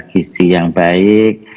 gizi yang baik